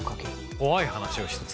怖い話を一つ。